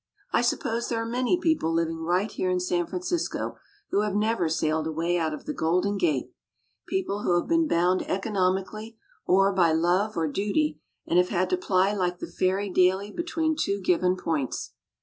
I suppose there are many people living right here in San Francisco who have never sailed away out of the Golden Gate, people who have been bound economically or by love or duty, and have had to ply like the ferry daily between two given points.